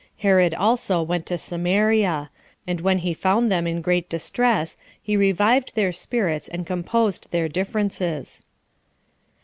Herod also went to Samaria; and when he found them in great distress, he revived their spirits, and composed their differences.